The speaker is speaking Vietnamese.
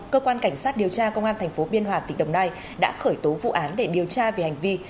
cơ quan cảnh sát điều tra công an tp biên hòa tỉnh đồng nai đã khởi tố vụ án để điều tra về hành vi